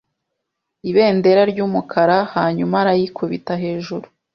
ibendera ry'umukara, hanyuma arayikubita hejuru.